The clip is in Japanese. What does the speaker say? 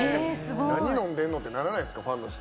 何飲んでんの？ってならないですか、ファンの人。